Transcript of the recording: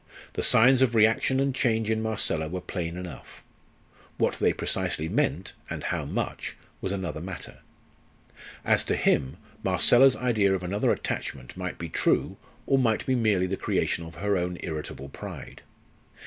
The signs of reaction and change in Marcella were plain enough. What they precisely meant, and how much, was another matter. As to him, Marcella's idea of another attachment might be true, or might be merely the creation of her own irritable pride.